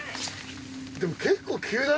でも結構急だね